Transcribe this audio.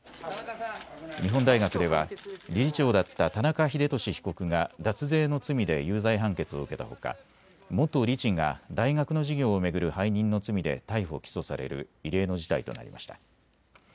日本大学では理事長だった田中英壽被告が脱税の罪で有罪判決を受けたほか元理事が大学の事業を巡る背任の罪で逮捕起訴される異例の事態となりました。